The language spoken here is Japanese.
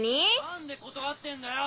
何で断ってんだよ！